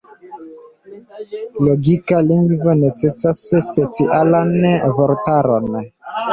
Logika lingvo necesas specialan vortaron.